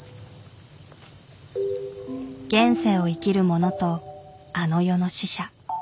現世を生きる者とあの世の死者。